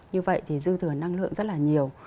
như vậy thì dư thừa năng lượng rất là nhiều